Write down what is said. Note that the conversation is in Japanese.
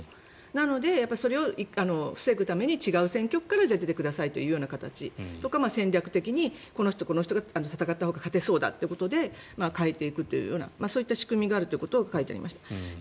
なので、それを防ぐために違う選挙区から出てくださいという形とか戦略的にこの人とこの人が戦ったほうが勝てそうだということで変えていくというそういった仕組みがあるということが書いてありました。